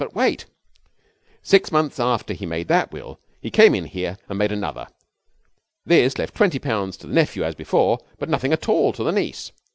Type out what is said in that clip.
But wait! 'Six months after he had made that will he came in here and made another. This left twenty pounds to the nephew as before, but nothing at all to the niece.